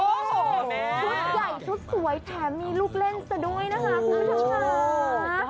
สุดใหญ่สุดสวยแถมมีลูกเล่นเสียด้วยนะครับคุณค่ะ